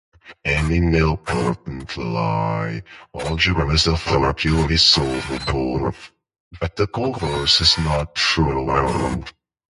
Any nilpotent Lie algebra is a fortiori solvable but the converse is not true.